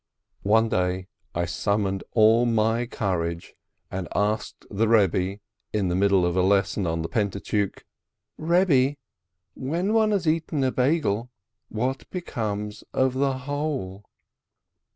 One day I summoned all my courage, and asked the Eebbe, in the middle of a lesson on the Pentateuch : "Rebbe, when one has eaten a Beigel, what becomes of the hole?"